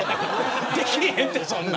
できへんって、そんなん。